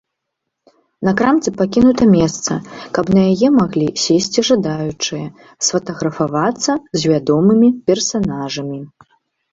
На крамцы пакінута месца, каб на яе маглі сесці жадаючыя сфатаграфавацца з вядомымі персанажамі.